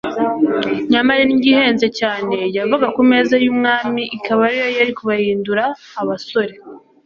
nyamara indyo ihenze cyane yavaga ku meza y'umwami ikaba ariyo yari kubahindura abasore